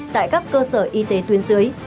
tại các cơ sở y tế tuyến dưới